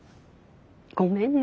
ごめんね。